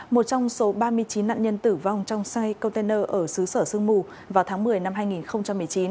một trong số ba mươi chín nạn nhân tử vong trong xe container ở xứ sở sương mù vào tháng một mươi năm hai nghìn một mươi chín